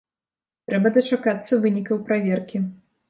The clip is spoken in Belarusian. Трэба дачакацца вынікаў праверкі.